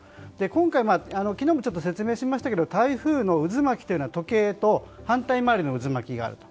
今回、昨日もちょっと説明しましたけど台風の渦巻きというのは時計と反対周りの渦巻きがあると。